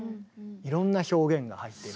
いろんな表現が入ってる。